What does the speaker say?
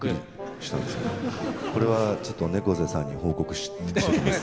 これはちょっと猫背さんに報告しときます。